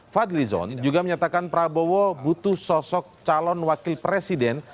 fadlizon juga menyatakan prabowo butuh sosok calon wakil presiden